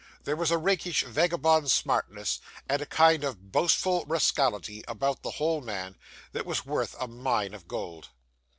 There was a rakish, vagabond smartness, and a kind of boastful rascality, about the whole man, that was worth a mine of gold.